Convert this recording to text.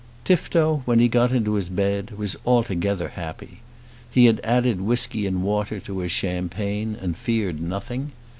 Tifto, when he got into his bed, was altogether happy. He had added whisky and water to his champagne, and feared nothing.